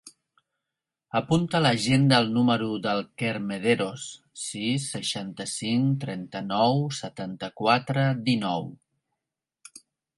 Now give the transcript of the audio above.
Apunta a l'agenda el número del Quer Mederos: sis, seixanta-cinc, trenta-nou, setanta-quatre, dinou.